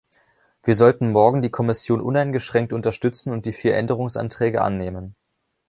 Wir sollten morgen die Kommission uneingeschränkt unterstützen und die vier Änderungsanträge annehmen.